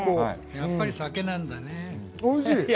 やっぱり酒なんだね。